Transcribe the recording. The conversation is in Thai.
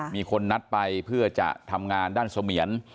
มีคนนัดไปเพื่อจะทำงานด้านเสมียน